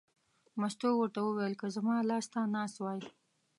مستو ورته وویل: که زما لاس ته ناست وای.